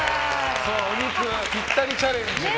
お肉ぴったりチャレンジ